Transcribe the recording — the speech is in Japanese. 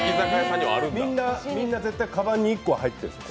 みんな絶対、かばんに１個入ってるんですよ。